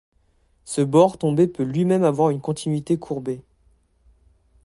Ce bord tombé peut lui-même avoir une continuité courbée.